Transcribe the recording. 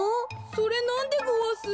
それなんでごわす？